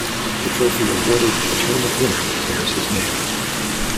The trophy awarded to the tournament winner bears his name.